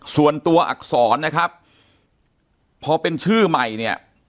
ส่วนตัวอักษรนะครับพอเป็นชื่อใหม่เนี่ย